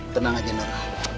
tenang aja nob